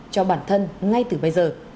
cho bản thân ngay từ bây giờ